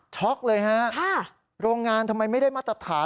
เลยฮะโรงงานทำไมไม่ได้มาตรฐาน